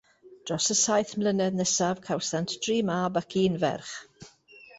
Dros y saith mlynedd nesaf cawsant dri mab ac un ferch.